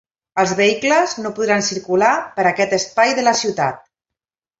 Els vehicles no podran circular per aquest espai de la ciutat.